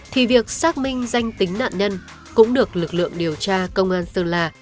thì việc xác minh danh tính nạn nhân cũng được lực lượng điều tra công an sơn la